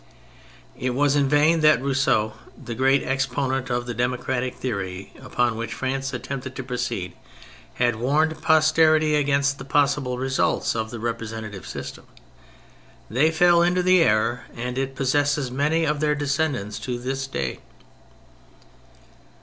It was in vain that Rousseau, the great exponent of the democratic theory upon which France attempted to proceed, had warned posterity against the possible results of the representative system: they fell into the error, and it possesses many of their descendants to this day.